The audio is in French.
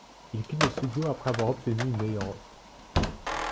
Il quitte le Studio après avoir obtenu une meilleure offre.